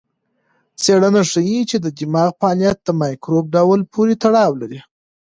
څېړنه ښيي چې د دماغ فعالیت د مایکروب ډول پورې تړاو لري.